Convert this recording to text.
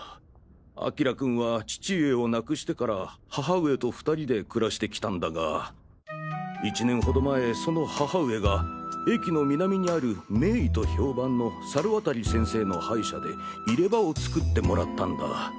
明君は父上を亡くしてから母上と２人で暮らしてきたんだが１年ほど前その母上が駅の南にある名医と評判の猿渡先生の歯医者で入れ歯を作ってもらったんだ。